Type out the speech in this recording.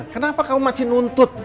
kenapa kamu masih nuntut